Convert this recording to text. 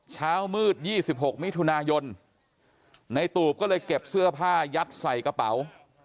เช้ามืด๒๖มิถุนายนในตูบก็เลยเก็บเสื้อผ้ายัดใส่กระเป๋า